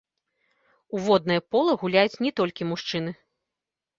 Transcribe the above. У воднае пола гуляюць не толькі мужчыны.